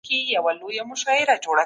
د روغتیا خدمتونه د کار قوې کیفیت ښه کوي.